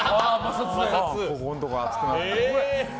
ここのところが熱くなって。